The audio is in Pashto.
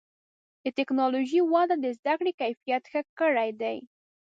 د ټکنالوجۍ وده د زدهکړې کیفیت ښه کړی دی.